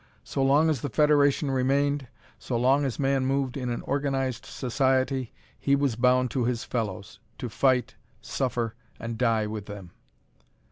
So long as the Federation remained, so long as man moved in an organized society, he was bound to his fellows, to fight, suffer, and die with them.